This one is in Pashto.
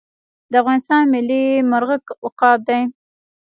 د افغانستان ملي مرغه عقاب دی